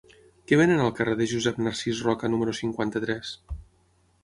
Què venen al carrer de Josep Narcís Roca número cinquanta-tres?